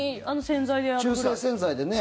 中性洗剤でね。